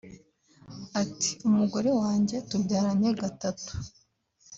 Ati ‘‘Umugore wanjye tubyaranye gatatu